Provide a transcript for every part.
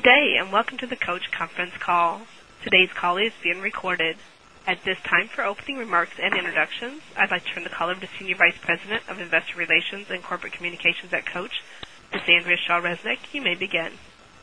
Good day, and welcome to the Coach Conference Call. Today's call is being recorded. At this time, for opening remarks and introductions, I'd like to turn the call over to Senior Vice President of Investor Relations and Corporate Communications at Coach, Ms. Andrea Shaw Resnick. You may begin.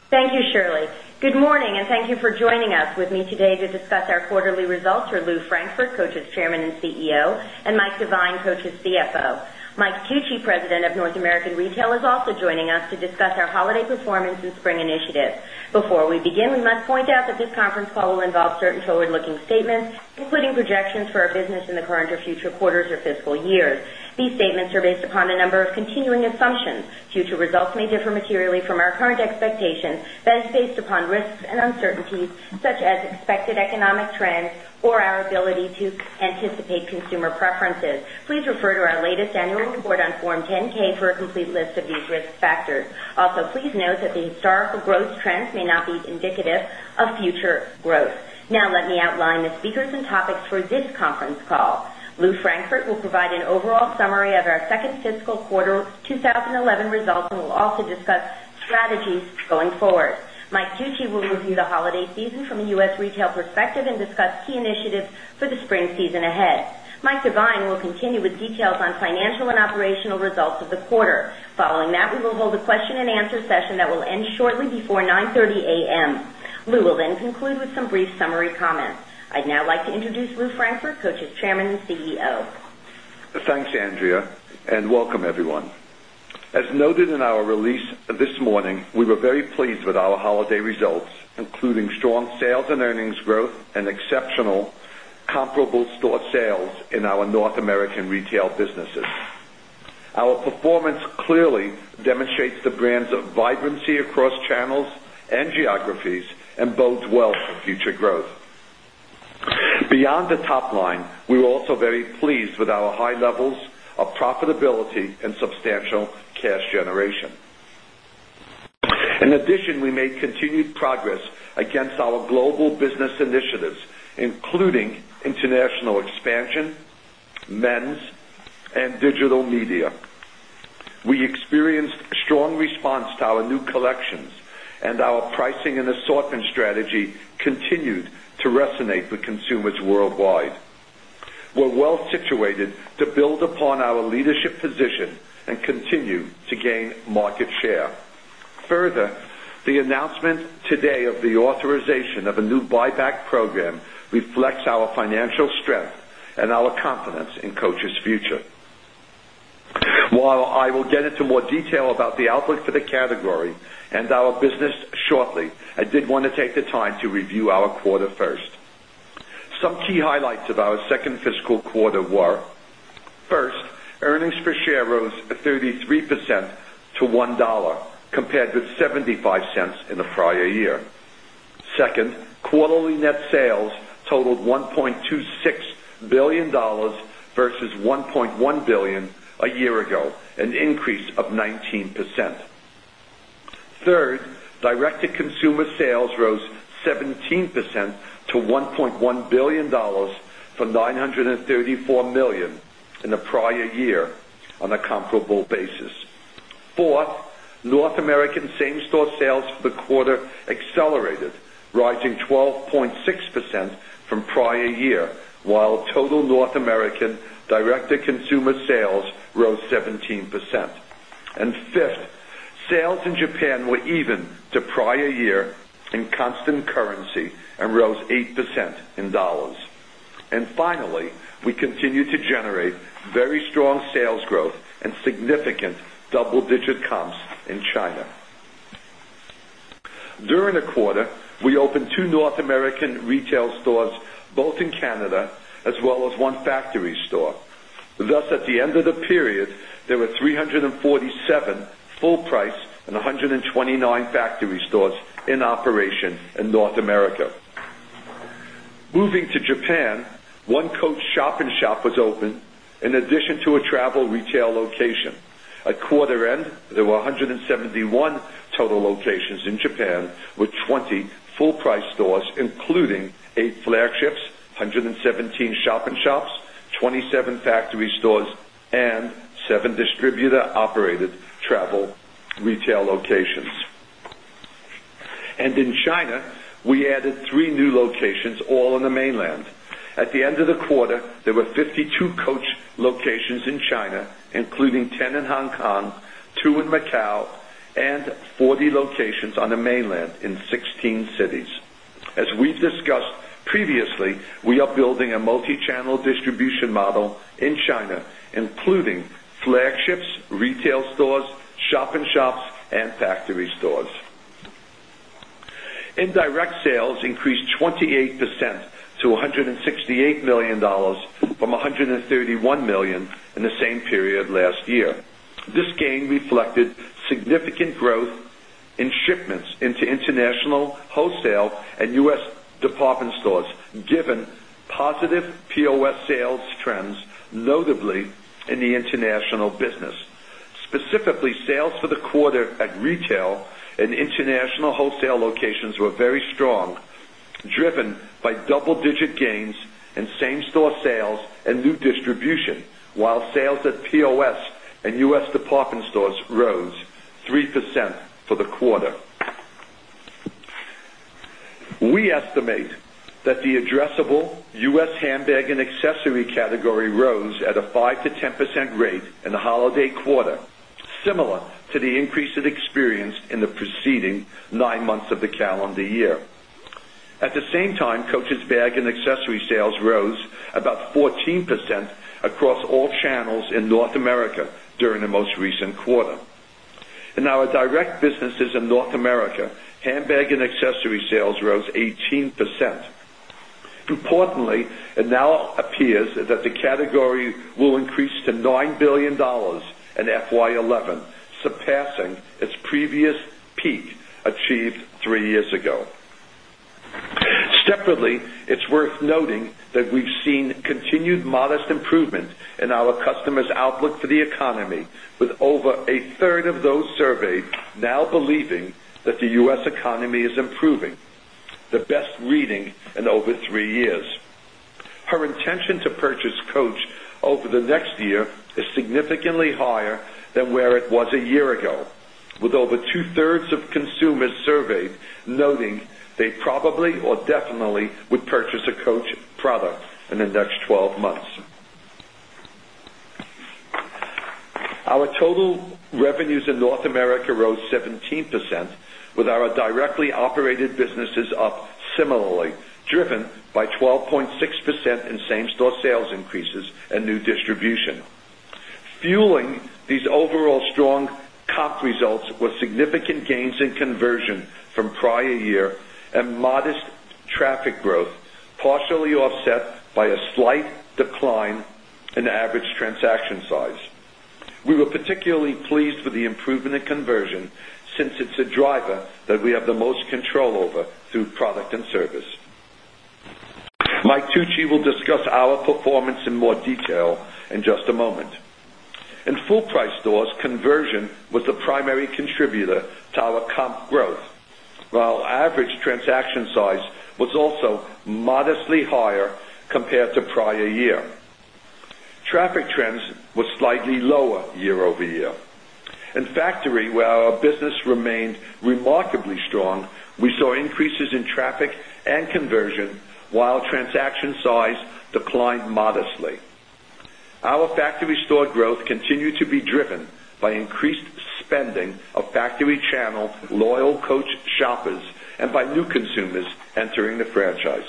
Thank you, Shirley. Good morning and thank you for joining us. With me today to discuss our quarterly results are Lou Frankfurt, Coaches' Chairman and CEO and Mike Devine, Coaches' CFO. Mike Tucci, President of North American Retail is also joining us to discuss our holiday performance and spring initiatives. Before we begin, we must point out that this conference call will involve certain forward looking statements, including projections for our business in the current or future quarters or fiscal years. These statements are based upon a number of continuing assumptions. Future results may differ materially from our current expectations that is based upon risks and uncertainties, such as expected economic trends or our ability to anticipate consumer preferences. Please refer to our latest annual report on Form 10 ks for a complete list of these risk factors. Also, please note that the historical growth trends may not be indicative of future growth. Now let me outline the speakers and topics for this conference call. Lou Frankfort will provide an overall summary of our 2nd fiscal quarter 2011 results and will also discuss strategies going forward. Mike Duetschi will review the holiday season from a U. S. Retail perspective and discuss key initiatives for the spring season ahead. Mike Devine will continue with details on financial and operational results of the quarter. Following that, we will hold a question and answer session that will shortly before 9:30 a. M. Lou will then conclude with some brief summary comments. I'd now like to introduce Lou Frankfurt, Cochran's Chairman and CEO. Thanks, Andrea, and welcome, everyone. As noted in our release this morning, we were very pleased with our holiday results, including strong sales and earnings growth and exceptional comparable store sales in our North American retail businesses. Our performance clearly demonstrates the brands of vibrancy across channels and geographies and bodes well for future growth. Beyond the top line, we were also very pleased with our high levels of profitability and substantial cash generation. In addition, we made continued progress against our global business initiatives, including international expansion, men's and digital media. We experienced strong response to our new collections and our pricing and assortment strategy continued to resonate with consumers worldwide. We're well situated to build upon our leadership position and continue to gain market share. Further, the announcement today of the authorization of a new buyback program reflects our financial strength and our confidence in Coach's future. While I will get into more detail about the outlook for the category and our business shortly, I did want to take the time to review our quarter first. Some key highlights of our 2nd fiscal quarter were: 1st, earnings per share rose 33 percent to $1 compared with $0.75 in the prior year. 2nd, quarterly net sales totaled $1,260,000,000 versus $1,100,000,000 a year ago, an increase of 19%. 3rd, direct to consumer sales rose 17 percent to $1,100,000,000 from $934,000,000 in the prior year on a comparable basis. 4th, North American same store sales for the quarter accelerated, rising 12.6% from prior year, while total North American direct to consumer sales rose 17%. And 5th, sales in Japan were even to prior year in constant currency and rose 8% in dollars. And finally, we continue to generate very strong growth and significant double digit comps in China. During the quarter, we opened 2 North American retail stores both in Canada as well as 1 factory store. Thus at the end of the period, there were 347 full price and 129 factory stores in operation in North America. Moving to Japan, One Coat Shop in Shop was opened in addition to a travel retail location. At quarter end, there were 171 total locations in Japan with 20 full price stores, including 8 Flair Chips, 1 117 shop in shops, 27 factory stores and 7 distributor operated travel retail locations. And in China, we added 3 new locations all in the mainland. At the end of the quarter, there were 52 Coach locations in China, including 10 in Hong Kong, 2 in Macau and 40 locations on the Mainland in 16 cities. As we've discussed previously, we are building a multi channel distribution model in China, including flagships, retail stores, shop in shops and factory stores. Indirect sales increased 28% to $168,000,000 from $131,000,000 in the same period last year. This gain reflected significant growth in shipments into international wholesale and U. S. Department stores given positive POS sales trends notably in the international business. Specifically, sales for the quarter at retail and international wholesale locations were very strong, driven by double digit gains and same store sales and new distribution, while sales at POS and U. S. Department stores rose 3% for the quarter. We estimate that the addressable U. S. Handbag and accessory category rose at a 5% to 10% rate in the holiday quarter, similar to the increase it experienced in the preceding 9 months of the calendar year. At the same time, Coach's bag and accessory sales rose about 14% across all channels in North America during the most recent quarter. In our direct businesses in North America, handbag and accessories sales rose 18%. Importantly, it now appears that the category will increase to $9,000,000,000 in FY 2011, surpassing its previous peak achieved 3 years ago. Separately, it's worth noting that we've seen continued modest improvement in our customers' outlook for the economy with over a third of those surveyed now believing that the U. S. Economy is improving, the best reading in over 3 years. Her intention to purchase Coach over the next year is significantly higher than where it was a year ago with over 2 thirds of consumers surveyed noting they probably or definitely would purchase a Coach product in the next 12 months. Our total revenues in North America rose 17% with our directly operated business is up similarly driven by 12.6% in same store sales increases and new distribution. Fueling these overall strong comp results with significant gains in conversion from prior year and modest traffic growth, partially offset by a slight decline in average transaction size. We were particularly pleased with the improvement in conversion since it's a driver that we have the most control over through product and service. Mike Tucci will discuss our performance in more detail in just a moment. In Full Price stores, conversion was the primary contributor to our comp growth, while average transaction size was also modestly higher compared to prior year. Traffic trends were slightly lower year over year. In factory, while our business remained remarkably strong, we saw increases in traffic and conversion, while transaction size declined modestly. Our factory store growth continued to be driven by increased spending of factory channel loyal Coach shoppers and by new consumers entering the franchise.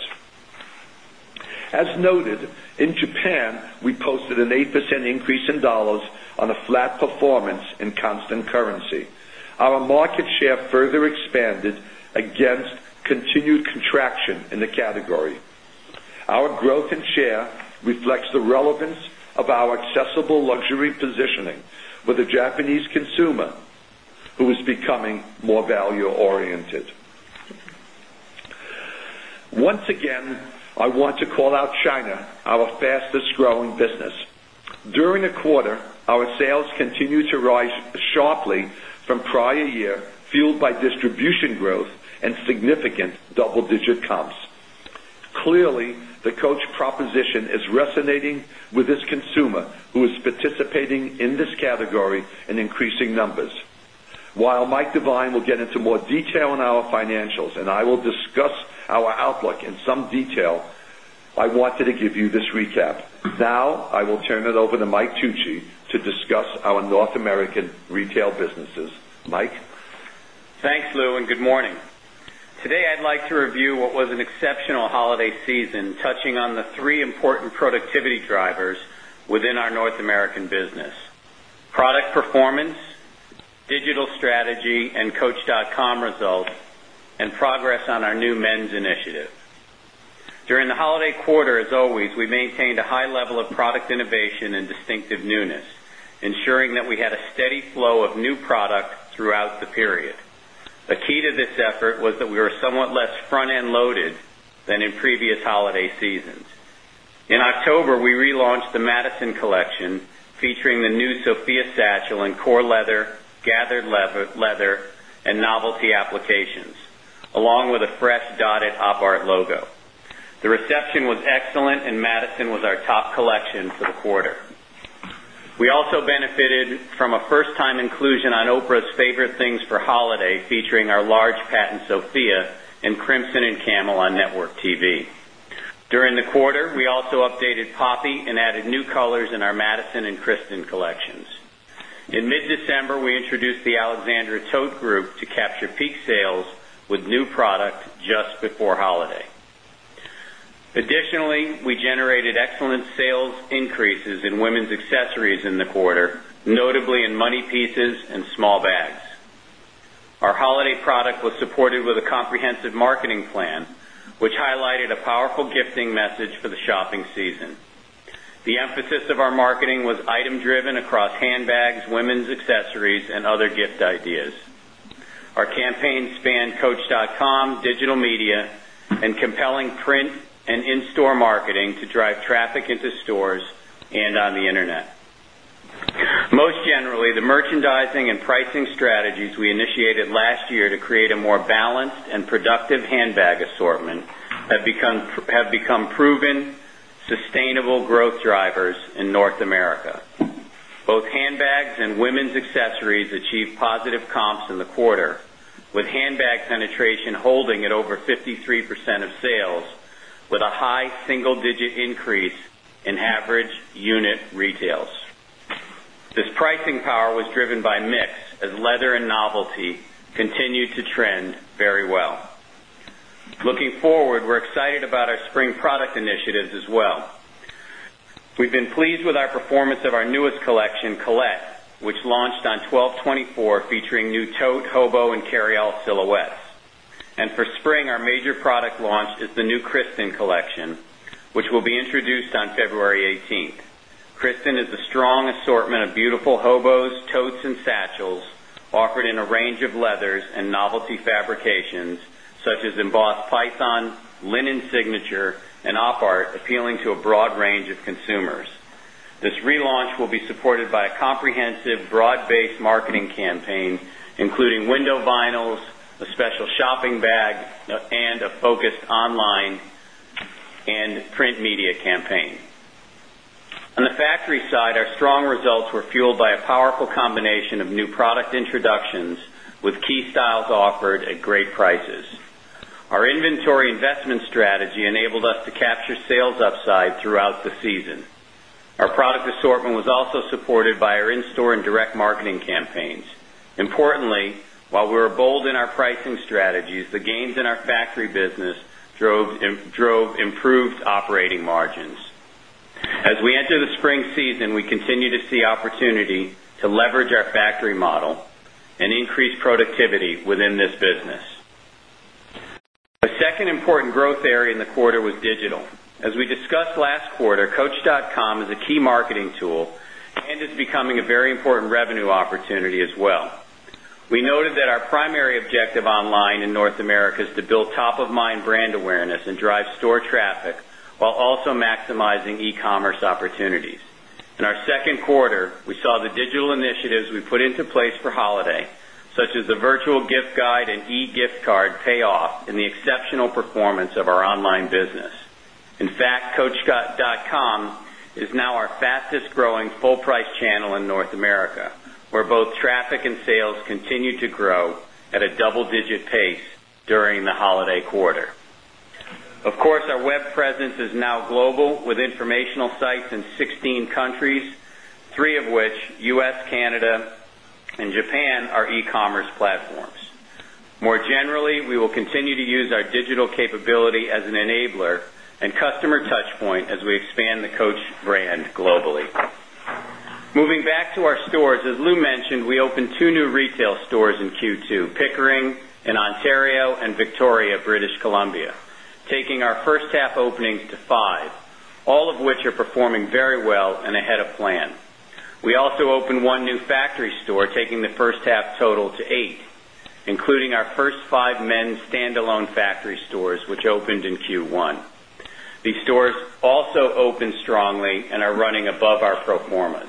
As noted, in Japan, we posted an 8% increase in dollars on a flat performance in constant currency. Our market share further expanded against continued contraction in the category. Our growth in share reflects the relevance of our accessible luxury positioning with a Japanese consumer who is becoming more value oriented. Once again, I want to call out China, our fastest growing business. During the quarter, our sales continued to rise sharply from prior year fueled by distribution growth and significant double digit comps. Clearly, the coach proposition is resonating with this consumer who is participating in this category and increasing numbers. While Mike Devine will get into more detail on our financials and I will discuss our outlook in some detail, I wanted to give you this recap. Now, I will turn it over to Mike Tucci to discuss our North American Retail businesses. Mike? Thanks, Lou, and good morning. Today, I'd like to review what was an exceptional holiday season touching on the 3 important productivity drivers within our North American business product performance, digital strategy and coach.com results and progress on our new men's initiative. During the holiday quarter, as always, we maintained a high level of product innovation and distinctive newness, ensuring that we had a steady flow of new product throughout the period. A key to this effort was that we were somewhat less front end loaded than in previous holiday seasons. In October, we relaunched the Madison collection featuring the new Sofia satchel in core leather, gathered leather and novelty applications, along with a fresh dotted Op inclusion on Oprah's Favorite Things for holiday featuring our large patent Sofia and Crimson and Camel on network TV. During the quarter, we also updated Poppy and added new colors in our Madison and Kristen collections. In mid December, we introduced the Alexandra Tote Group to capture peak sales with new product just before holiday. Additionally, we generated excellent sales increases in women's accessories in the quarter, notably in money pieces and small bags. Our holiday product was supported with a comprehensive marketing plan, which highlighted a powerful gifting message for the shopping season. The emphasis of our marketing was item driven across handbags, women's accessories and other gift ideas. Our campaign spanned coach.com, digital media and compelling print and in store marketing to drive traffic into stores and on the Internet. Most generally, the merchandising and pricing strategies we initiated last year to create a more balanced and productive handbag assortment have become proven sustainable growth drivers in North America. Both handbags and women's accessories achieved positive comps in the quarter with handbag penetration holding at over 53% of sales with a high single digit increase in average unit retails. This pricing power was driven by mix as leather and novelty continued to trend very well. Looking forward, we're excited about our spring product initiatives as well. We've been pleased with our performance of our newest collection, Collette, which launched on twelvetwenty four featuring new tote, hobo and carryout silhouettes. And for spring, our major product launch is the new Kristen collection, which will be introduced on February 18. Kristen is a strong assortment of beautiful hobos, totes and satchels offered in a range of leathers and novelty fabrications such as embossed python, linen signature and op art appealing to a broad range of consumers. This relaunch will be supported by a comprehensive broad based marketing campaign, including window vinyls, a special shopping bag and a focused online and print media campaign. On the factory side, our strong results were fueled by a powerful combination of new product introductions with key styles offered at great prices. Our inventory investment strategy enabled us to capture sales upside throughout the season. Our product assortment was also supported by our in store and direct marketing campaigns. Importantly, while we were bold in our pricing strategies, the gains in our factory business drove improved operating margins. As we enter the spring season, we continue to see opportunity to leverage our factory model and increase productivity within this business. The second important growth area in the quarter was digital. As we discussed last quarter, coach.com is a key marketing tool and is becoming a very important revenue opportunity as well. We noted that our primary objective online in North America is to build top of mind brand awareness and drive store traffic, while also maximizing e commerce opportunities. In our Q2, we saw the digital initiatives we put into place for holiday, such as the virtual gift guide and e gift card pay off and the exceptional performance of our online business. In fact, coachscott.com is now our fastest growing full price channel in North America, where both traffic and sales continue to grow at a double digit pace during the holiday quarter. Of course, our web presence is now global with informational sites in 16 countries, 3 of which U. S, Canada and Japan are e commerce platforms. Globally. Moving back to our stores. As Lou mentioned, we opened 2 new retail stores in Q2, Pickering in Ontario and Victoria, British Columbia, taking our first half openings to 5, all of which are performing very well and ahead of plan. We also opened 1 new factory store taking the first half total to 8, including our first 5 men's standalone factory stores, which opened in Q1. These stores also opened strongly and are running above our pro formas.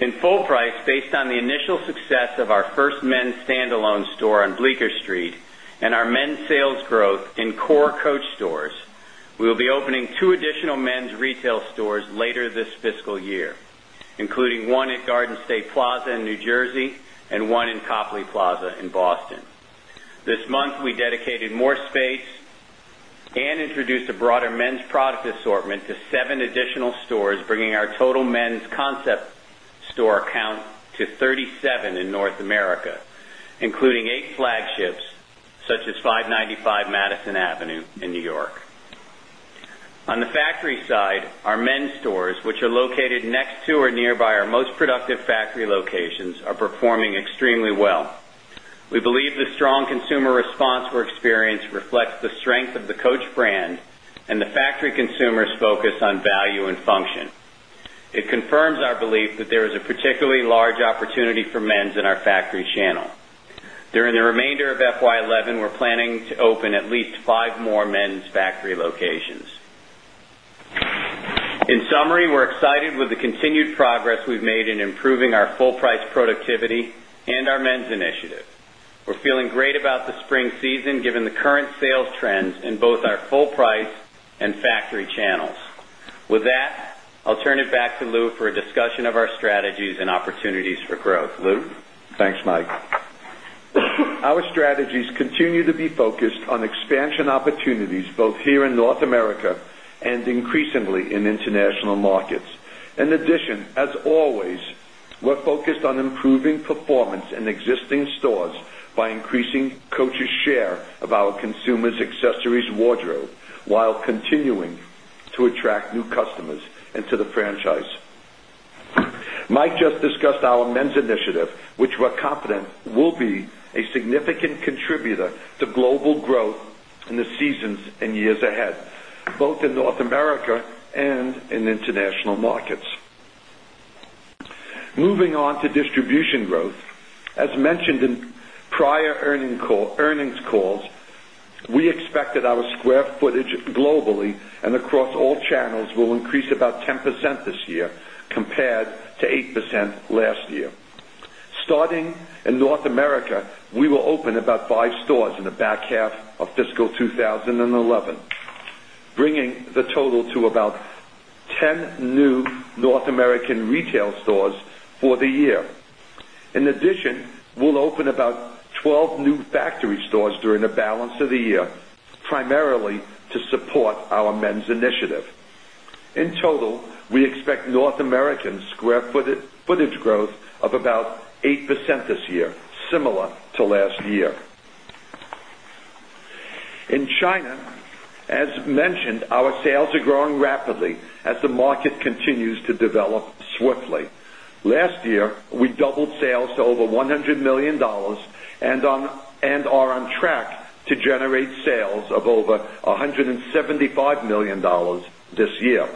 In Full Price, based on the initial success of our first men's standalone store on Bleecker Street and our men's sales growth in core Coach stores, we will be opening 2 additional men's retail stores later this fiscal year, including 1 at Garden State Plaza in New Jersey and 1 in Copley Plaza in Boston. This month, we dedicated more space and introduced a broader men's product assortment to 7 additional stores, bringing our total men's concept store count to 37 in North America, including 8 flagships such as 595 Madison Avenue in New York. On the factory side, our men's stores, which are located next to or nearby our most productive factory locations are performing extremely well. We believe the strong consumer response we experienced reflects the strength of the Coach brand and the factory consumers focus on value and function. It confirms our belief that there is a particularly large opportunity for men's in our factory channel. During the remainder of FY 2011, we're planning to open at least 5 more men's factory locations. In summary, we're excited with the continued progress we've made improving our full price productivity and our men's initiative. We're feeling great about the spring season given the current sales trends in both our full price and factory channels. With that, I'll turn it back to Lou for a discussion of our strategies and opportunities for growth. Lou? Thanks, Mike. Our strategies continue to be focused on expansion opportunities both here in North America and increasingly in international markets. In addition, as always, we're focused on improving performance in existing stores by increasing Coach's share of our consumers' accessories wardrobe, while continuing to attract new customers into the franchise. Mike just discussed our men's initiative, which we're confident will be a significant contributor to global growth in the seasons and years ahead, both in North America and in international markets. Moving on to distribution growth. As mentioned in prior earnings calls, we expect that our square footage globally and across all channels will increase about 10% this year compared to 8% last year. Starting in North America, we will open about 5 stores in the back half of fiscal twenty 11, bringing the total to about 10 new North American retail stores for the year. In addition, we'll open about 12 new factory stores during the balance of the year, primarily to support our men's initiative. In total, we expect North American square footage growth of about 8% this year, similar to last year. In China, as mentioned, our sales are growing rapidly as the market track to generate sales of over $175,000,000 this year.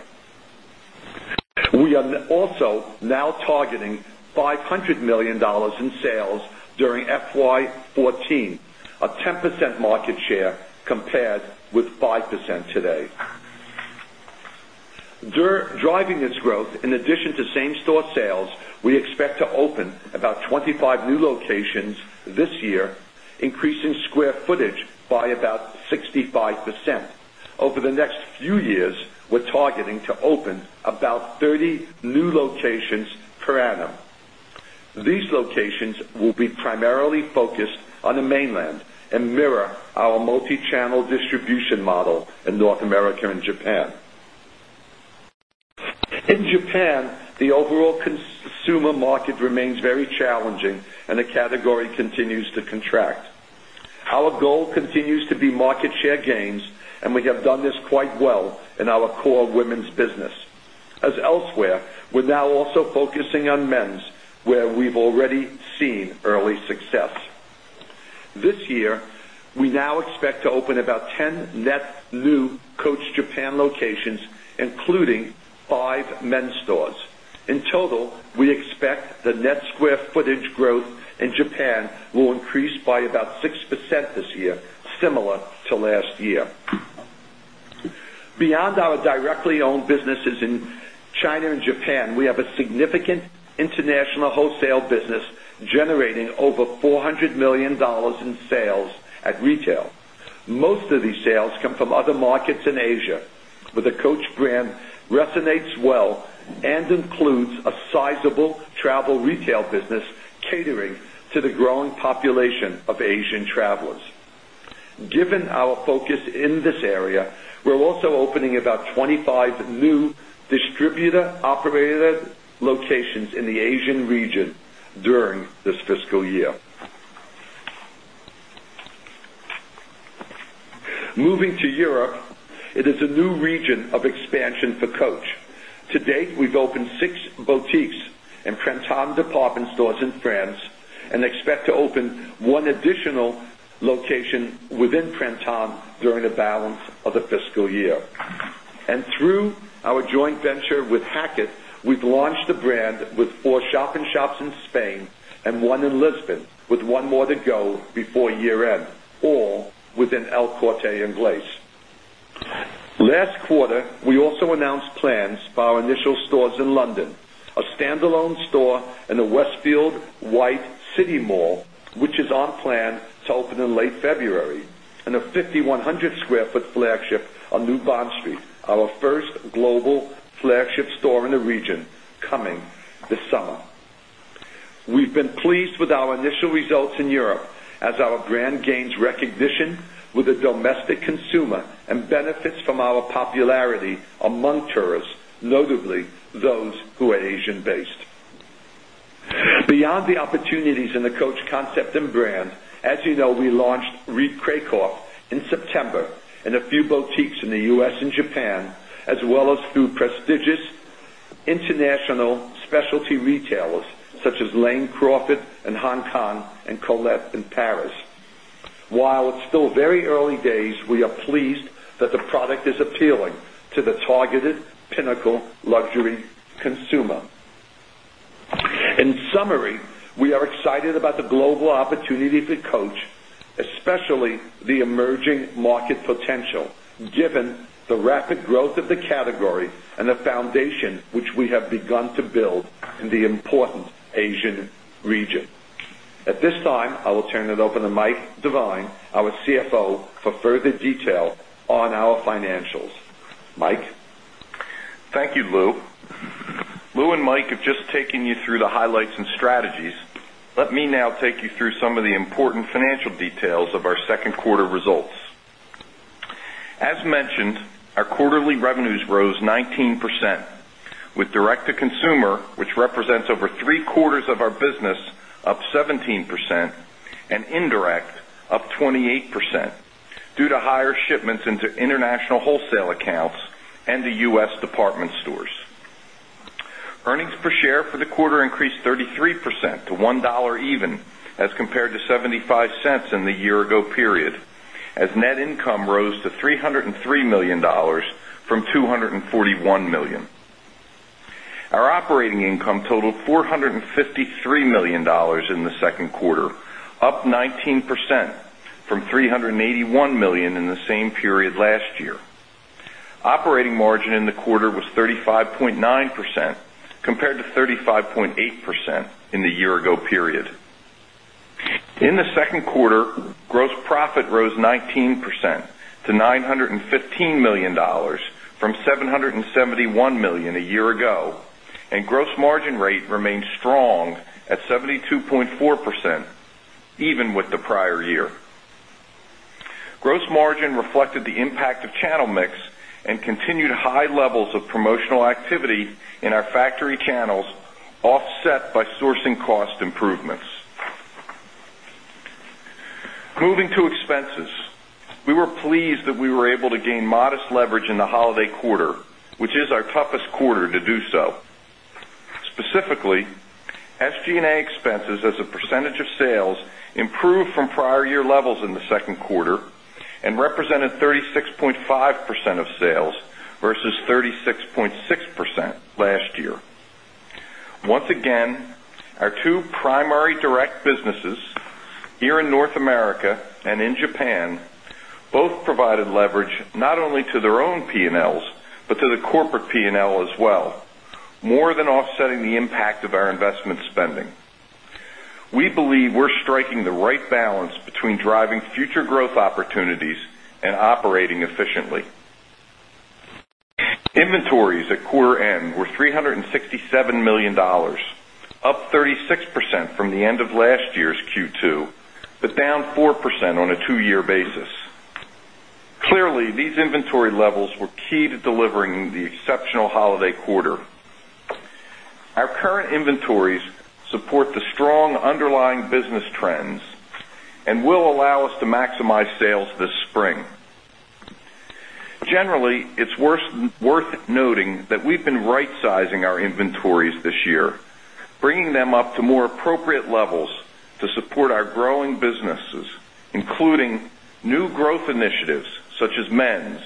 We are also now targeting $500,000,000 in sales during FY 'fourteen, a 10% market share compared with 5% today. Driving this growth, in addition to same store sales, we expect to open about 25 new locations this year, increasing square footage by about 65%. Over the next few years, we're targeting to open about 30 new locations per annum. These locations will be primarily focused on the mainland and mirror our multi channel distribution model in North America and Japan. In Japan, the overall consumer market remains very challenging and the category continues to contract. Our goal continues to be market share gains and we have done this quite well in our core women's business. As elsewhere, we're now also focusing on men's where we've already seen early success. This year, we now expect to open about 10 net new Coach Japan locations, including 5 men's stores. In total, we expect the net square footage growth in Japan will increase by about 6% this year, similar to last year. Beyond our directly owned businesses in China and Japan, we have a significant international wholesale business generating over $400,000,000 in sales at retail. Most of these sales come from other markets in Asia, but the Coach brand resonates well travelers. Given our focus in this area, we're also opening about 25 new distributor operated locations in the Asian region during this fiscal year. Moving to Europe, it is a new region of expansion for Coach. To date, we've opened 6 boutiques in Printem department stores in France and expect to open one additional location within Prenton during the balance of the fiscal year. And through our joint venture with Hackett, we've launched the brand with 4 shop in shops in Spain and 1 in Lisbon with 1 more to go before year end, all within El Corte in place. Last quarter, we also announced plans for our initial stores in London, a standalone store in the Westfield White City Mall, which is on plan to open in late February and a 5,100 Square Foot Flagship on New Bond Street, our first global flagship store in the region coming this summer. We've been pleased with our initial results in Europe as our brand gains recognition with a domestic consumer and benefits from our popularity among tourists, notably those who are Asian based. Beyond the opportunities in the Coach concept and brand, as you know, we launched Reed Craykoff in September in a few boutiques in the U. S. And Japan as well as through prestigious international specialty retailers such as Lane Crawford in Hong Kong and Colette in Paris. While it's still very early days, we are pleased that the product is appealing to the targeted Pinnacle luxury consumer. In summary, we are excited about the global opportunity for Coach, especially the emerging market potential, given the rapid growth of the category and the foundation which we have begun to build in the important Asian region. At this time, I will turn it over to Mike Devine, our CFO for further detail on our financials. Mike? Thank you, Lou. Lou and Mike have just taken you through the highlights and strategies. Let me now take you through some of the important financial details of our 2nd quarter results. As mentioned, our quarterly revenues rose 19% with direct to consumer, which represents over 3 quarters of our business, up 17% and indirect up 28% due to higher shipments into international wholesale accounts and the U. S. Department stores. Earnings per share for the quarter increased 33 percent to $1 even as compared to $0.75 in the year ago period as net income rose to $303,000,000 from $241,000,000 Our operating income totaled $453,000,000 in the 2nd quarter, up 19% from 3 $81,000,000 in the same period last year. Operating margin in the quarter was 35.9% compared to 35.8% in the year ago period. In the 2nd quarter, gross profit rose 19% to $915,000,000 from $771,000,000 a year ago and gross margin rate remained strong at 72.4 percent even with the prior year. Gross margin reflected the impact of channel mix and continued high levels of promotional activity in our factory channels offset by sourcing cost improvements. Moving to expenses, we were pleased that we were able to gain modest leverage in the holiday quarter, which is our toughest quarter to do so. Specifically, SG and A expenses as a percentage of sales improved from prior year levels in the second quarter and represented 36.5 percent of sales versus 36.6% last year. Once again, our 2 primary direct businesses here in North America and in Japan both provided leverage not only to their own P and Ls, but to the corporate P and L as well, more than offsetting the impact of our investment spending. We believe we're striking the right balance between driving future growth opportunities and operating efficiently. Inventories at quarter end were $367,000,000 up 36% from the end of last year's Q2, but down 4% on a 2 year basis. Clearly, these inventory levels were key to delivering the exceptional holiday quarter. Our current inventories support the strong underlying business trends and will allow us to maximize sales this spring. Generally, it's worth noting that we've been rightsizing our inventories this year, bringing them up to more appropriate levels to support our growing businesses, including new growth initiatives such as men's,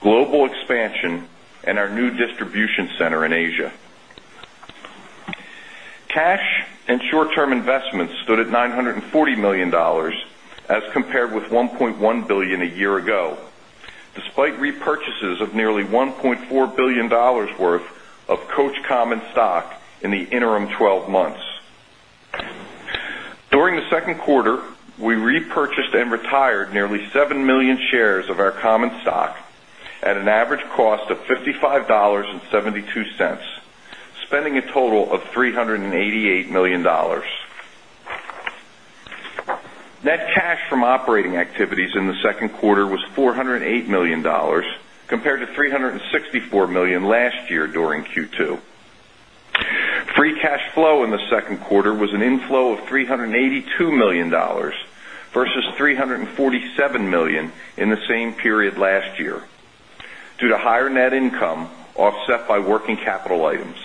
global expansion and our new distribution center in Asia. Cash and short term investments stood at $940,000,000 as compared with $1,100,000,000 a year ago, despite repurchases of nearly $1,400,000,000 worth of Coach common stock in the interim 12 months. During the Q2, we repurchased and retired nearly 7,000,000 shares of our common stock at an average cost of $55.72 spending a total of $388,000,000 Net cash from operating activities in the 2nd quarter was $408,000,000 compared to $364,000,000 last year during Q2. Free cash flow in the second quarter was an inflow of $382,000,000 versus $347,000,000 in the same period last year due to higher net income offset by working capital items.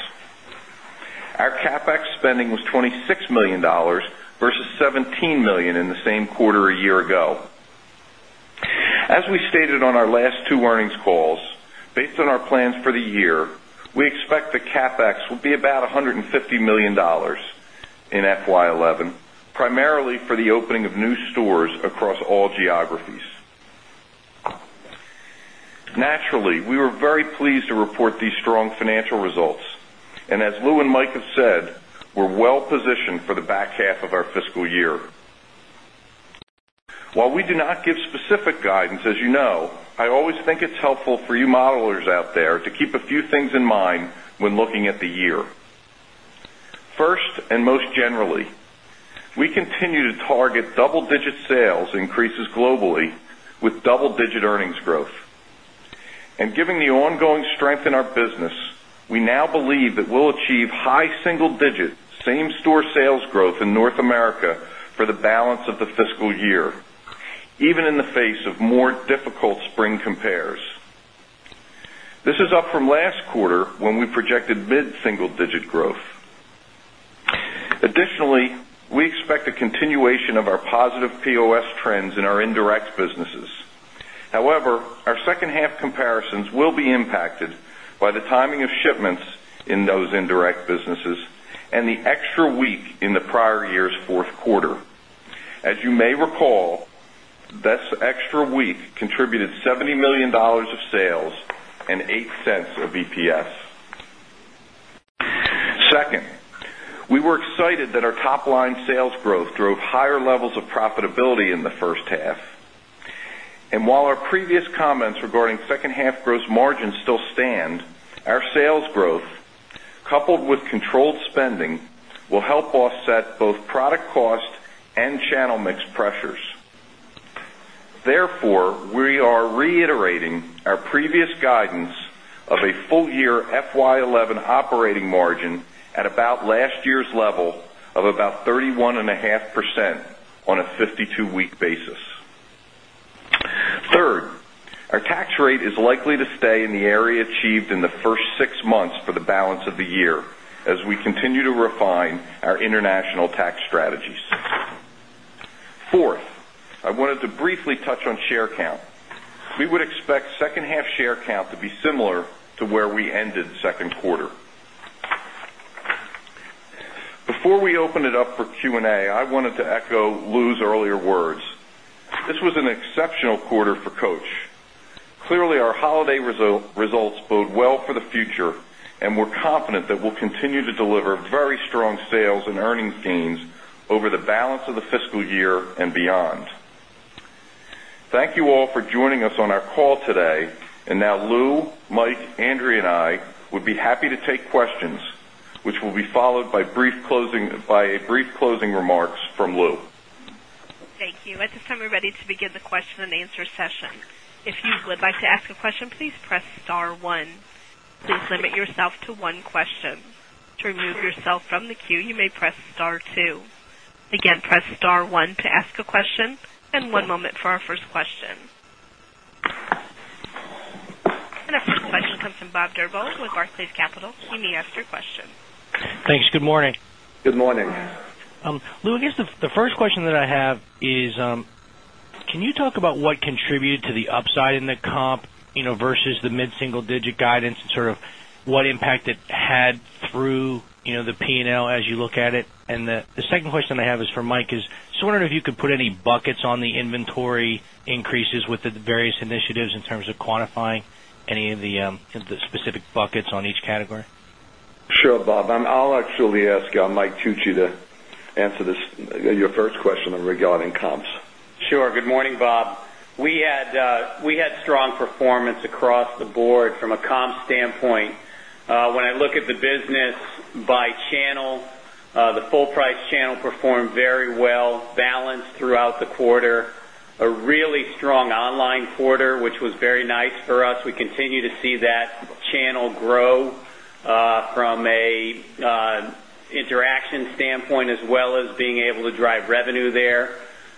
Our CapEx spending was $26,000,000 versus $17,000,000 in the same quarter a year ago. As we stated on our last two earnings calls, based on our plans for the year, we expect the CapEx will be about $150,000,000 in FY 2011, primarily for the opening of new stores across all geographies. Naturally, we were very pleased to report these strong financial results. And as Lou and Mike have said, we're well positioned for the back half of our fiscal year. While we do not give specific guidance, as you know, I always think it's helpful you modelers out there to keep a few things in mind when looking at the year. 1st and most generally, we continue to target double digit sales increases globally with double digit earnings growth. And given the ongoing strength in our business, we now believe that we'll achieve high single digit same store sales growth in North America for the balance of the fiscal year, even in the face of more difficult spring compares. This is up from last quarter when we projected mid single digit growth. Additionally, we expect a continuation of our positive POS trends in our indirect businesses. However, our second half comparisons will be impacted by the timing of shipments in those indirect businesses and the extra week in the prior year's Q4. As you may recall, this extra week contributed $70,000,000 of sales and $0.08 of EPS. 2nd, we were excited that our top line sales growth drove higher levels of profitability in the first half. And while our previous comments regarding second half gross margin still stand, our sales growth coupled with controlled spending will help offset both product cost and channel mix pressures. Therefore, we are reiterating our previous guidance of a full year FY 'eleven operating margin at about last year's level of about 31.5% on a 52 week basis. 3rd, our tax rate is likely to stay in the area achieved in the 1st 6 months for the balance of the year as we continue to refine our international tax strategies. 4th, I wanted to briefly touch on share count. We would expect second half share count to be similar to where we ended the 2nd quarter. Before we open it up for Q and A, I wanted to echo Lou's earlier words. This was an exceptional quarter for Coach. Clearly, our holiday results bode well for the future and we're confident that we'll continue to deliver very strong sales and earnings gains over the balance of the fiscal year and beyond. Thank you all for joining us on our call today. And now Lou, Mike, Andrea and I would be happy to take questions, which will be followed by brief closing remarks from Lou. Thank you. At this time, we're ready to begin the question and answer session. And our first question comes from Bob Drbul with Barclays Capital. You may ask your question. Thanks. Good morning. Good morning. Lou, I guess the first question that I have is, can you talk about what contributed to the upside in the comp versus the mid single digit guidance and sort of what impact it had through the P and L as you look at it? And the second question I have is for Mike is, so I wonder if you could put any buckets on the inventory increases with the various initiatives in terms of quantifying any of the specific buckets on each category? Sure, Bob. I'll actually ask Mike Tucci to answer this your first question regarding comps. Sure. Good morning, Bob. We had strong performance across the board from a comp standpoint. When I look at the business by channel, the full price channel performed very well, balanced throughout the quarter, a really strong online quarter, which was very nice for us. We continue to see that channel grow from an interaction standpoint as well as being able to drive revenue there.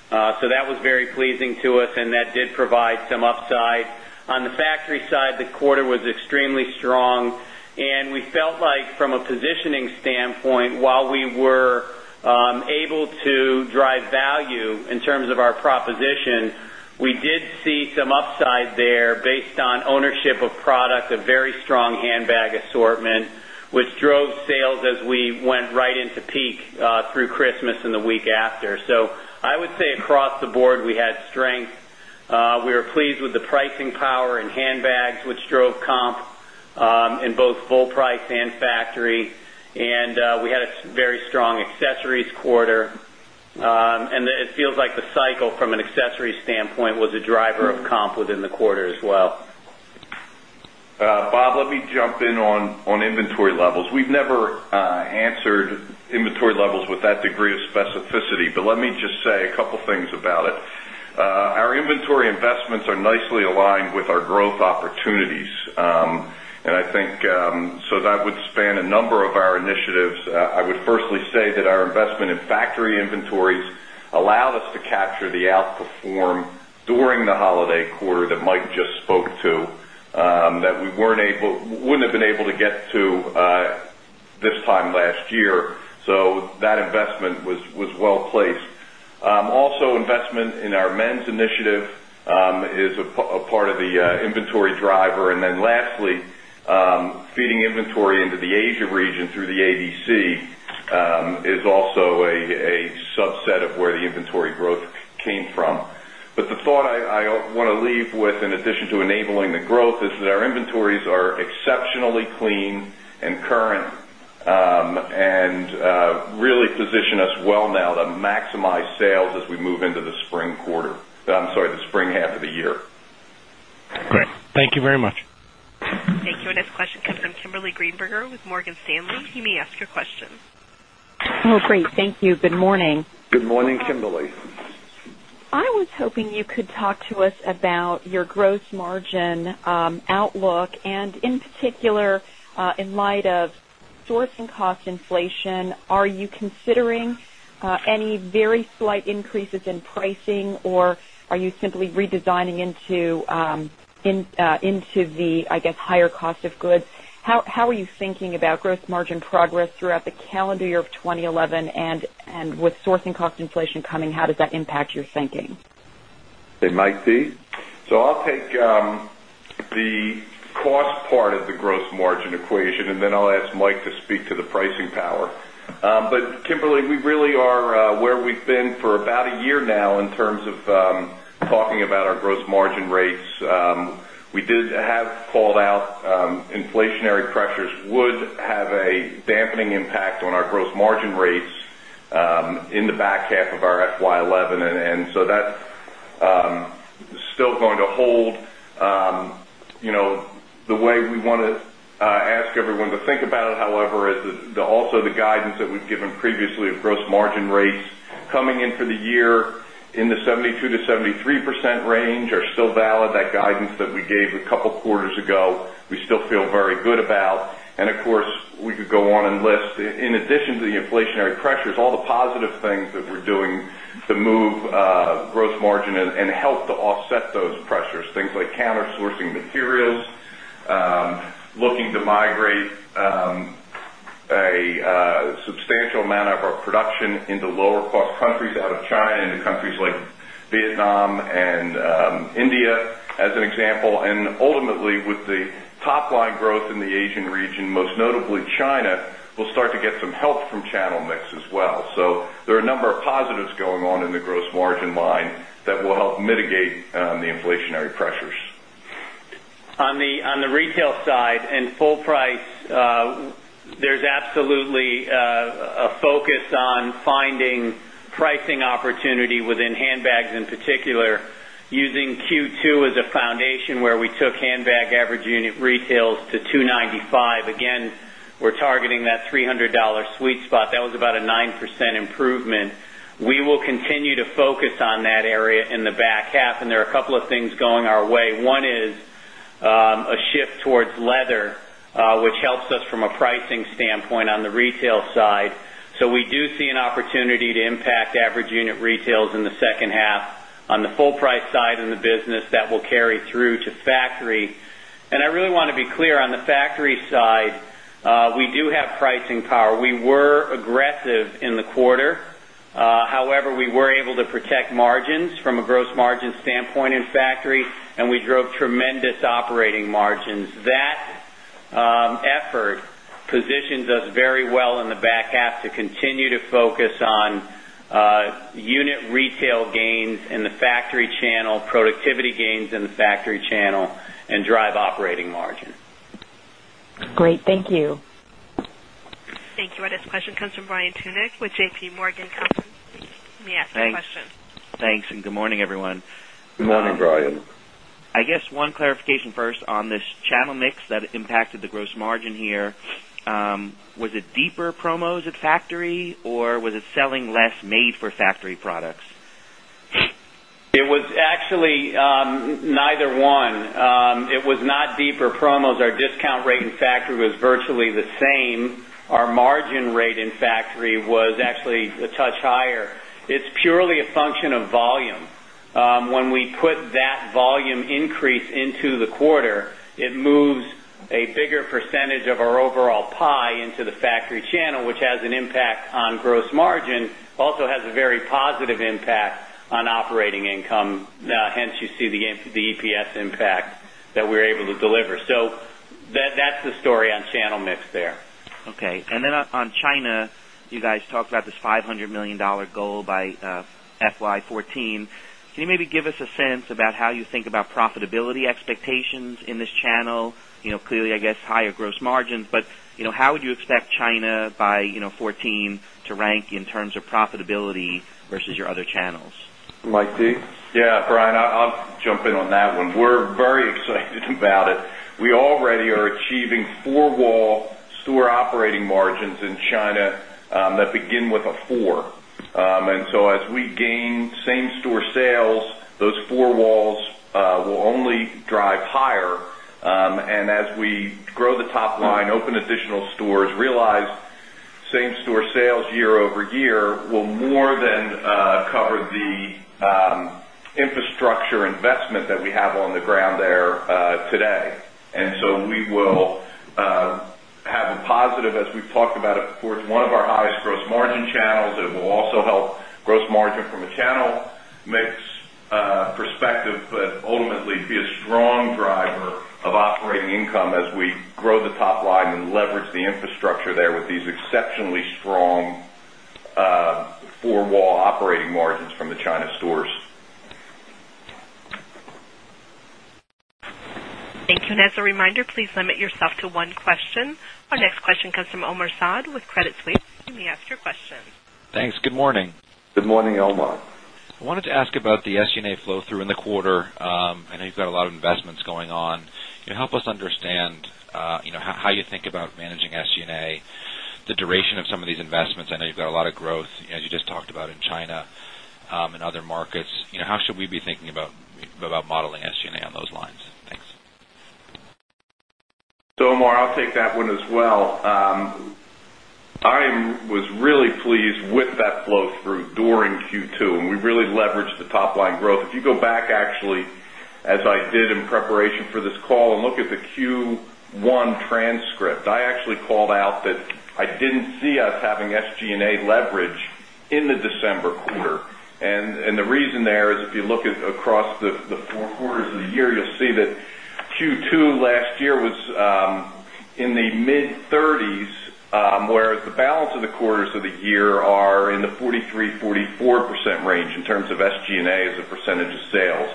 So that was very pleasing to us and that did provide some upside. On the factory side, the quarter was extremely strong and we felt like from a positioning standpoint, while we were able to drive value in terms of our proposition, we did see some upside there based on ownership of product, a very strong handbag assortment, which drove sales as we went right into peak through Christmas and the week after. So I would say across the board, we had strength. We are pleased with the pricing power in handbags, which drove comp in both full price and factory. And we had a very strong accessories quarter. And it feels like the cycle from an accessory standpoint was a driver of comp within the quarter as well. Bob, let me jump in on inventory levels. We've never answered inventory levels with that degree of growth opportunities. And I think so that would span a number of our initiatives. I would firstly say that our investment in factory inventories allowed us to capture the outperform during the holiday quarter that Mike just spoke to that we weren't able wouldn't have been able to get to this time last year. So that investment was well placed. Also investment in our men's initiative is a part of the inventory driver. And then lastly, feeding inventory into the Asia region through the ADC is also a subset of where the inventory growth came from. But the thought I want to leave with in addition to enabling the growth is that our inventories are exceptionally clean and current and really position us well now to maximize sales as we move into the spring quarter I'm sorry, the spring half of the year. Great. Thank you very much. Thank you. Our next question comes from Kimberly Greenberger with Morgan Stanley. You may ask your question. Great. Thank you. Good morning. Good morning, Kimberly. I was hoping you could talk to us about your gross margin outlook. And in particular, in light of sourcing cost inflation, are you considering any very slight increases in pricing? Or are you simply redesigning into the, I guess, higher cost of goods? How are you thinking about gross margin progress throughout the calendar year of 2011? And with sourcing cost inflation coming, how does that impact your thinking? Hey, Mike, Steve? So I'll take the cost part of the gross margin equation and then I'll ask Mike to speak to the pricing power. But Kimberly, we really are where we've been for about a year now in terms of talking about our gross margin rates. We did have called out inflationary pressures would have a dampening impact on our gross margin rates in the back half of our FY 'eleven. And so that's still going to hold the way we want to ask everyone to think about it, however, is that also the guidance that we've given previously of gross margin rates coming in for the year in the 70 2% to 73% range are still valid. That guidance that we gave a couple of quarters ago, we still feel very good about. And of course, we could go on and list in addition to the inflationary pressures, all the positive things that we're doing to move gross margin and help to offset those pressures, things like counter sourcing materials, looking to migrate a substantial amount of our production into lower cost countries out of China and the countries like Vietnam and India as an example. And ultimately with the top line growth in the Asian region, most notably China, we'll start to get some help from channel mix as well. So there are a number of positives going on in the gross margin line that will help mitigate the inflationary pressures. On the retail side and full price, there's absolutely a focus on finding pricing opportunity within handbags in particular using Q2 as a foundation where we took handbag average unit retails to $2.95 again we're targeting that $300 sweet spot that was about a 9% improvement. We will continue to focus on that area in the back half and there are a couple of things going our way. One is, a shift towards leather, which helps us from a pricing standpoint on the retail side. So we do see an opportunity to impact average unit retails in the do have pricing power. We were aggressive in the quarter. However, we were able to protect margins from a gross margin standpoint in factory and we drove tremendous operating margins. That effort positions us very well in the back half to continue to focus on unit retail gains in the factory channel, productivity gains in the factory channel and drive operating margin. Great. Thank you. Thank you. Our next question comes from Brian Tunick with JPMorgan. Please ask your question. Thanks and good morning everyone. Good morning Brian. I guess one clarification first on this channel mix that impacted the gross margin here. Was it deeper promos at factory or was it selling less made for factory products? It was actually neither one. It was not deeper promos. Our discount rate in factory was virtually the same. Our margin rate in factory was actually a touch higher. It's purely a function of volume. When we put that volume increase into the quarter, it moves a bigger percentage of our overall pie into the factory channel, which has an impact on gross margin, also has a very positive impact on operating income. Hence, you see the EPS impact that we're able to deliver. So that's the story on channel mix there. Okay. And then on China, you guys talked about this $500,000,000 goal by FY 2014. Can you maybe give us a sense about how you think about profitability expectations in this channel? Clearly, I guess, higher gross margins, but how would you expect China by 14 to rank in terms of profitability versus your other channels? Mike, D? Yes, Brian, I'll jump in on that one. We're very excited about it. Already are achieving 4 wall store operating margins in China that begin with a 4. And so as we gain same store sales, those 4 walls will only drive higher. And as we grow the top line, open additional stores, realize same store sales year over year will more than cover the infrastructure investment that we have on the ground there today. And so, we will have a positive as we've talked about it towards one of our highest gross margin channels. It will also help gross margin from a channel mix gross margin from a channel mix perspective, but ultimately be a strong driver of operating income as we grow the top line and leverage the infrastructure there with these exceptionally strong four wall operating margins from the China stores. Thank you. Our next question comes from Omar Saad with Credit Suisse. You may ask your question. Thanks. Good morning. Good morning, Omar. I wanted to ask about the SG and A flow through in the quarter. I know you've got a lot of investments going on. Can you help us understand how you think about managing SG and A, the duration of some of these investments. I know you've got a lot of growth as you just talked about in China and other markets. How should we be thinking about modeling SG and A on those lines? Thanks. So, Omar, I'll take that one as well. I was really pleased with that flow through during Q2 and we really leveraged the line growth. If you go back actually as I did in preparation for this call and look at the Q1 transcript, I actually called out that I didn't see us having SG and A leverage in the December quarter. And the reason there is if you look at across the 4 quarters of the year, you'll see that Q2 last year was in the mid-30s, whereas the balance of the quarters of the year are in the 43%, 44% range in terms of SG and A as a percentage of sales.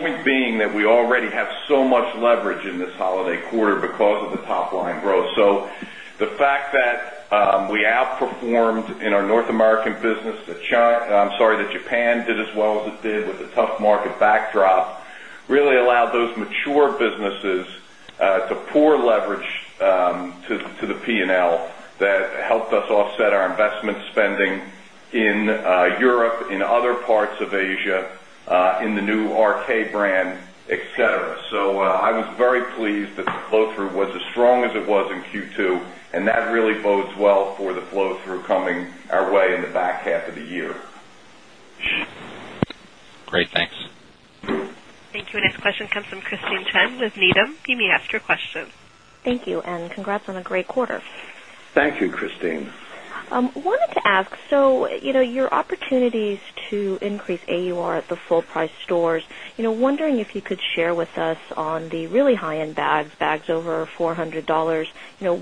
Point being that we already have so much leverage in this holiday quarter because of the top line growth. So, the fact that we outperformed in our North American business that Japan did as well as it did with the tough market backdrop really allowed those mature businesses to pour leverage to the P and L that helped us offset our investment spending in Europe, in other parts of Asia, in the new RK brand, etcetera. So I was very pleased that the flow through was as strong as it was in Q2 and that really bodes well for the flow through coming our way in the back half of the year. Great. Thanks. Thank you. Our next question comes from Christine Chen with Needham. You may ask your question. Thank you and congrats on a great quarter. Thank you, Christine. I wanted to ask, so your opportunities to increase AUR at the full price stores, wondering if you could share with us on the really high end bags, bags over $400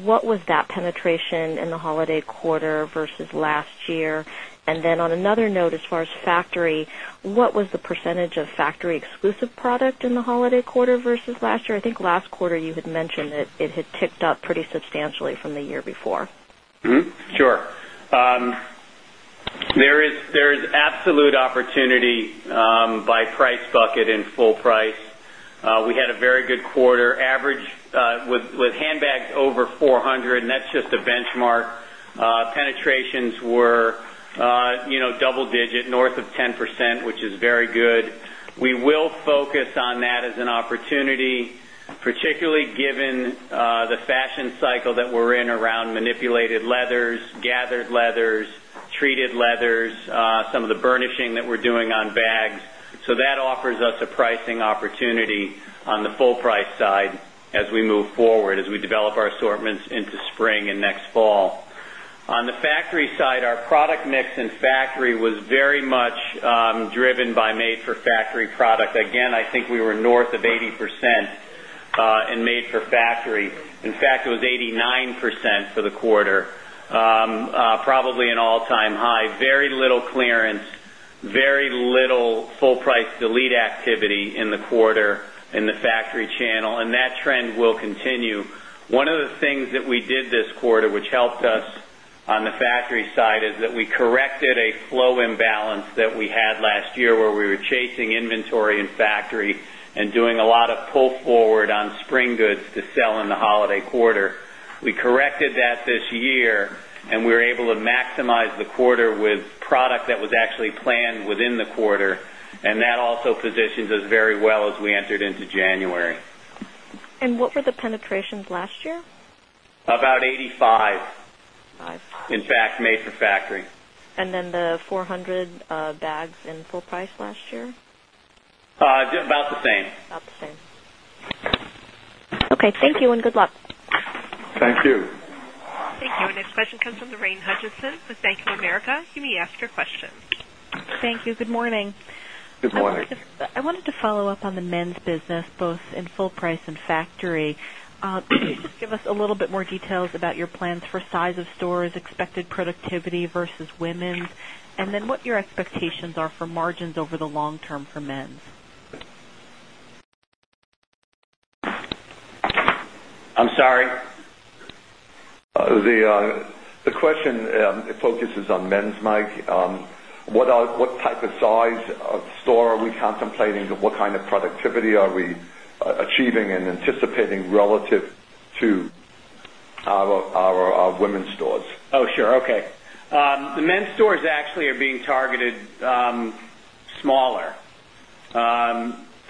What was that penetration in the holiday quarter versus last year? And then on another note as far as factory, what was the percentage of factory exclusive product in the holiday quarter versus last year? I think last quarter you had mentioned that it had ticked up pretty substantially from the year before. Sure. There is absolute opportunity by price bucket in full price. We had a very good quarter average with handbags over 400 and that's just a benchmark. Penetrations were double digit, north of 10%, which is very good. We will focus on that as an opportunity, particularly given the fashion cycle that we're in around manipulated leathers, gathered leathers, treated leathers, some of the burnishing that we're doing on bags. So that offers us a pricing opportunity on the full price side as we move forward, as we develop our assortments into spring and next fall. On the factory side, our product mix in factory was very much driven by made for factory product. Again, I think we were north of 80% in made for factory. In fact, it was 89% for the quarter, probably an all time high, very little clearance, very little full price delete activity in the quarter in the factory channel and that trend will continue. One of the things that we did this quarter, which helped us on the factory side is that we corrected a flow imbalance that we had last year where we were chasing inventory in factory and doing a lot of pull forward on spring goods to sell in the holiday quarter. That also positions us very well as we entered into January. And what were the penetrations last year? About 85. In fact, made for factory. And then the 400 bags in full price last year? About the same. About the same. Okay. Thank you and good luck. Thank you. Thank you. Our next comes from Lorraine Hutchinson with Bank of America. You may ask your question. Thank you. Good morning. Good morning. I wanted to follow-up on the men's business both in Full Price and Factory. Can you just give us a little bit more details about your plans for size of stores, expected productivity versus women's? And then what your expectations are for margins over the long term for men's? I'm sorry. The question focuses on men's mic. What type of size of store are we contemplating? What kind of productivity are we achieving and anticipating relative to our women's stores? Sure, okay. The men's stores actually are being targeted smaller,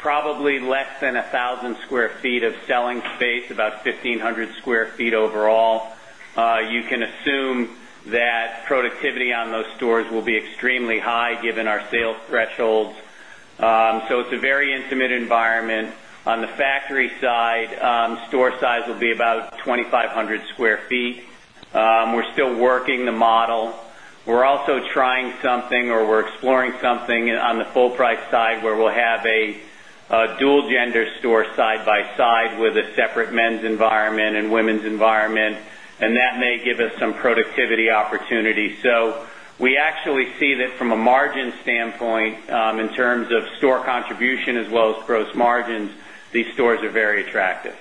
probably less than a 1,000 square feet of selling space, about 1500 square feet overall. You can assume that productivity on those stores will be extremely high given our sales thresholds. So it's a very intimate environment. On the factory side, store size will be about 2,500 Square Feet. We're still working the model. We're also trying something or we're exploring something on the full price side where we'll have a dual gender store side by side with a separate men's environment and women's environment and that may give us some productivity opportunity. So we actually see that from a margin standpoint, in terms of store contribution as well as gross margins, these stores are very attractive.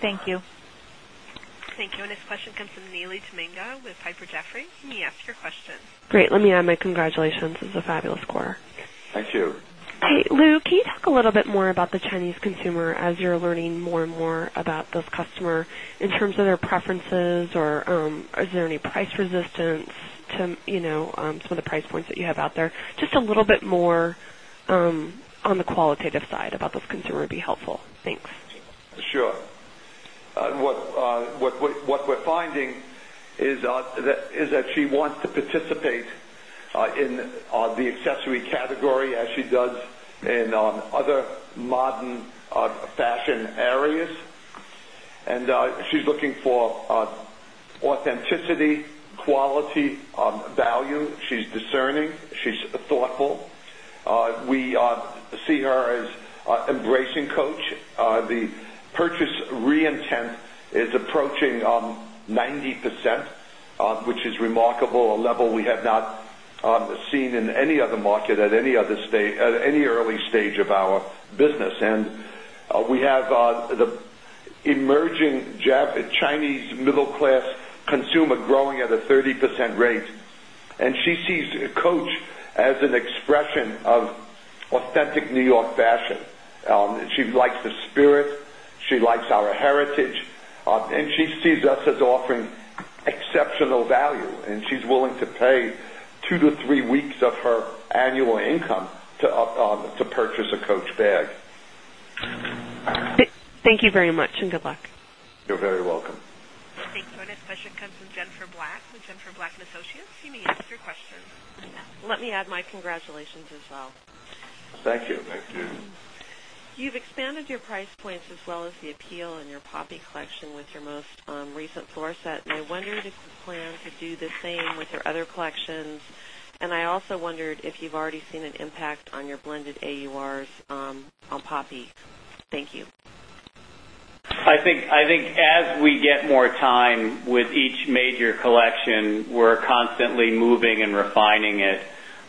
Thank you. Thank you. Our next question comes from Nealey Tamenga with Piper Jaffray. You may ask your question. Great. Let me add my congratulations. It's a fabulous quarter. Thank you. Hey, Lou, can you talk a little bit more about the Chinese consumer as you're learning more and more about those customer in terms of their preferences or is there any price resistance to some of the price points that you have out there? Just a little bit more on the qualitative side about this consumer would be helpful. Thanks. Sure. What we're finding is that she wants to participate in the accessory category as she does in other modern fashion areas. And she's looking for authenticity, quality, value. She's discerning. She's thoughtful. We see her as embracing Coach. The purchase re intent is approaching 90%, which is remarkable, a level we have not seen in any other market at any other state at any early stage of our business. And we have the emerging Chinese middle class consumer growing at a 30% rate, and she sees Coach as an expression of authentic New York fashion. She likes the spirit. She likes our heritage and she sees us as offering exceptional value and she's willing to pay 2 to 3 weeks of her annual income to purchase a Coach bag. Thank you very much and good luck. You're very welcome. Thank you. Our next question comes from Jennifer Black, Jennifer Black and Associates. You may ask your question. Let me add my congratulations as well. Thank you. Thank you. You've expanded your price points as well as the appeal in your Poppy collection with your most recent floor set. And I wondered if you plan to do the same with your other collections. I also wondered if you've already seen an impact on your blended AURs on Poppy. Thank you. I think as we get more time with each major collection, we're constantly moving and refining it.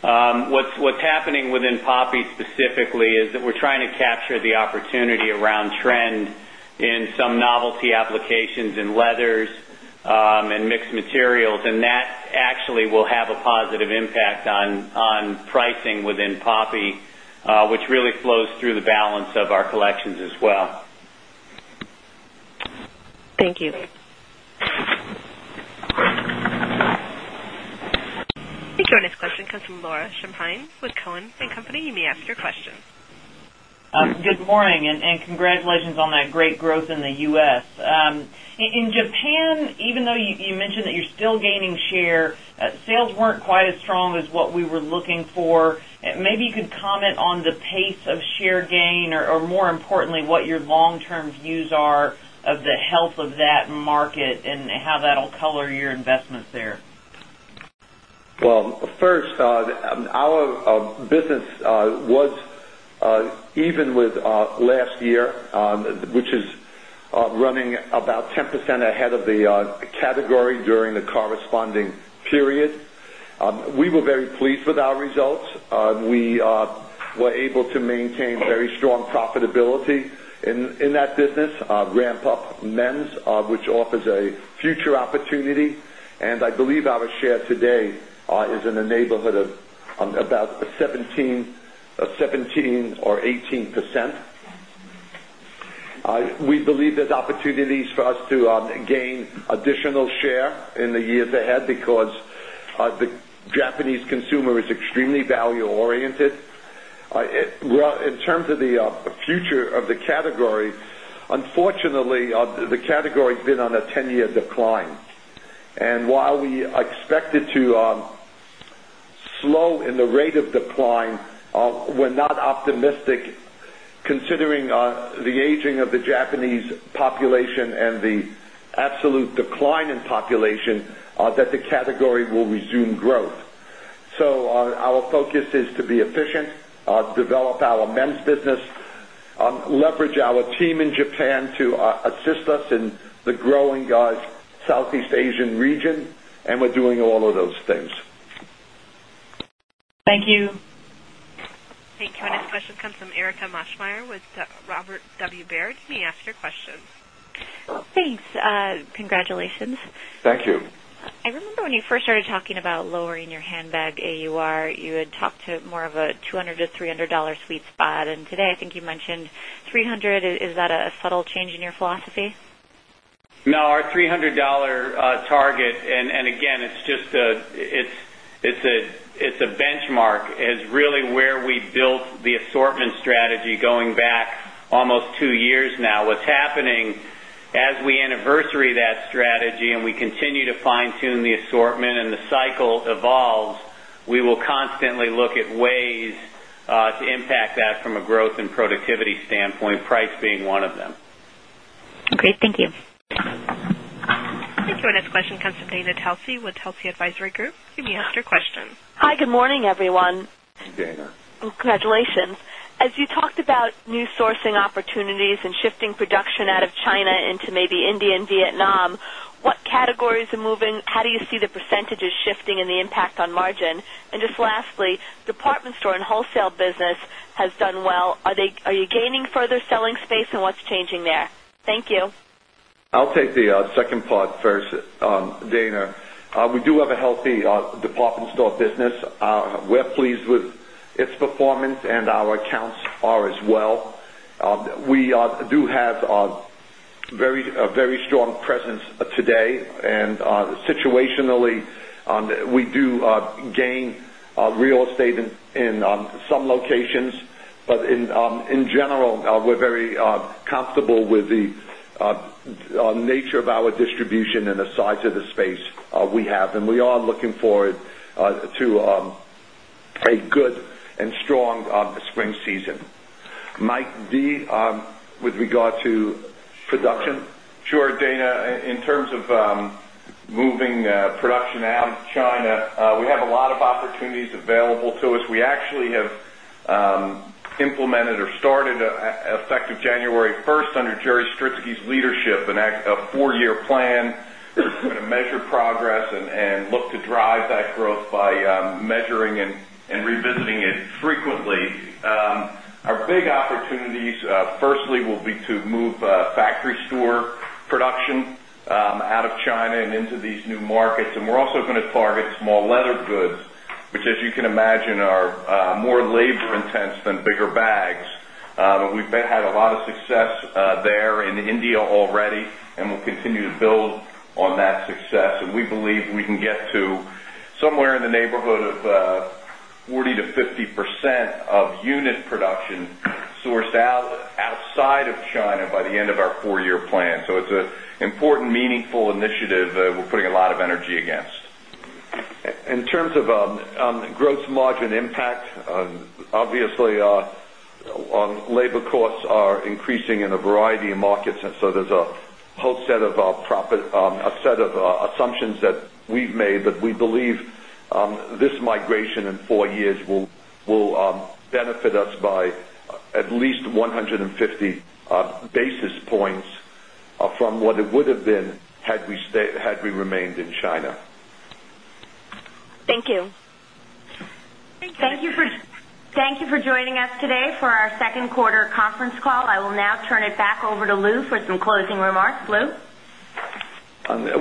What's happening within Poppy specifically is that we're trying to capture the opportunity around trend in novelty applications in leathers and mixed materials. And that actually will have a positive impact on pricing within Poppy, which really flows through the balance of our collections as well. Thank you. Your next question comes from Laura Champine with Cowen and Company. You may ask your question. Good morning and congratulations on that great growth in the U. S. In Japan, even though you mentioned that you're still gaining share, sales weren't quite as strong as what we were looking for. Maybe you could comment on the pace of share gain or more importantly, what your long term views are of the health of that market and how that will color your investments there? Well, first, our business was even with last year, which is running about 10% ahead of the category during the corresponding period. We were very pleased with our results. We were able to maintain very strong profitability in that business, ramp up men's, which offers a future opportunity. And I believe our share today is in the neighborhood of about 17% or 18%. We believe there's opportunities for us to gain additional share in the years ahead because the Japanese consumer is extremely value oriented. In terms of the future of the category, unfortunately, the category has been on a 10 year decline. And while we expect it to slow in the rate of decline, we're not optimistic considering the aging of the Japanese population and the absolute decline in population that the category will resume growth. So our focus is to be efficient, develop our men's business, leverage our team in Japan to assist us in the growing Southeast Asian region and we're doing all of those things. Thank you. Thank you. Our next question comes from Erika Moschmeyer with Robert W. Baird. You may ask your question. Thanks. Congratulations. Thank you. I remember when you first started talking about lowering your handbag AUR, you had talked to more of a $200 to $300 sweet spot. And today, I think you mentioned $300 Is that a subtle change in your philosophy? No, our $300 target and again, it's just it's a benchmark is really where we built the assortment strategy going back almost 2 years now. What's happening as we anniversary that strategy and we continue to fine tune the assortment and the cycle evolves, we will constantly look at ways to impact that from a growth and productivity standpoint, price being one of them. Great. Thank you. Your next question comes from Dana Telsey with Telsey Advisory Group. You may ask your question. Hi, good morning, everyone. Hi, Dana. Congratulations. As you talked about new sourcing opportunities and shifting production department store and wholesale business has done well. Are they are you gaining department store and wholesale business has done well. Are they are you gaining further selling space and what's changing there? Thank you. I'll take the second part first, Dana. We do have a healthy department store business. We're pleased with its performance and our accounts are as well. We do have a very strong presence today. And situationally, we do gain real estate in some locations. But in general, we're very comfortable with the nature of our distribution and the size of the space we have. And we are looking forward to a good and strong spring season. Mike, with regard to production? Sure, Dana. In terms of moving production out of China, we have a lot of Jeri's leadership and act a 4 year plan to measure progress and look to drive that growth by measuring and revisiting out of out of China and into these new markets. And we're also going to target small leather goods, which as you can imagine are more labor intense than bigger bags. But we've had a lot of success there in India already and we'll continue to build on that success. And we believe we can get to somewhere in the neighborhood of 40% to 50% of unit production sourced out outside of China by the end of our 4 year plan. So it's an important meaningful initiative that we're putting a lot of energy against. In terms of gross margin impact, obviously, labor costs are increasing in a variety of markets, And so there's a whole set of our profit a set of assumptions that we've made that we believe this migration in 4 years will benefit us by at least 150 basis points from what it would have been had we remained in China. Thank you. Thank you for joining us today for our Q2 conference call. I will now turn it back over to Lou for some closing remarks. Lou?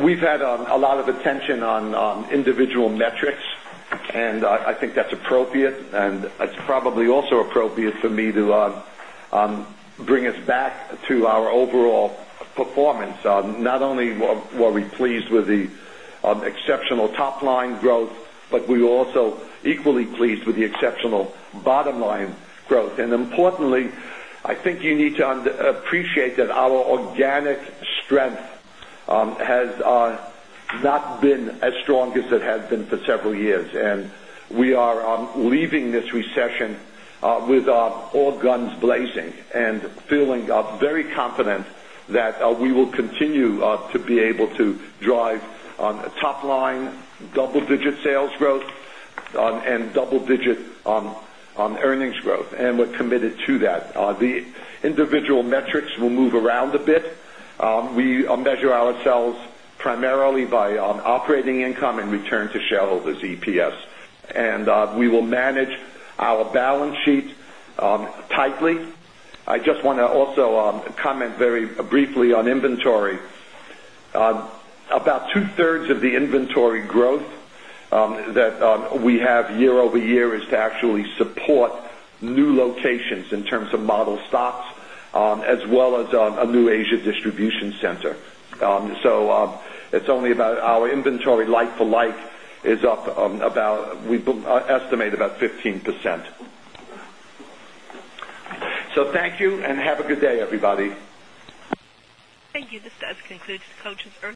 We've had a lot of attention on individual metrics, and I think that's appropriate. And it's probably also appropriate for me to bring us back to our overall performance. Not only were we pleased with the exceptional top line growth, but we were also equally pleased with the exceptional bottom line growth. And importantly, I think you need to appreciate that our And we are leaving this recession with all guns blazing and feeling very confident that we will continue to be able to drive top line, double digit sales growth and double digit earnings growth, and we're operating income and return to shareholders EPS. And we will manage our balance sheet tightly. I just want to also comment very briefly on inventory. About 2 thirds of the inventory growth that we have year over year is to actually support new locations in terms of model stocks as well as a new Asia distribution center. So it's only about our inventory like for like is up about we estimate about 15%. So thank you and have a good day everybody.